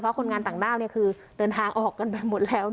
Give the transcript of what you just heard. เพราะคนงานต่างด้าวคือเดินทางออกกันไปหมดแล้ว